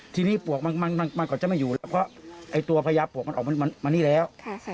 ที่นี่ปลวกมันก่อนจะไม่อยู่พอตัวพญาปลวกมันออกมานี่แล้ว